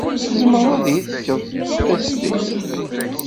Tzemred ad iyi-d-tefked tasdidt?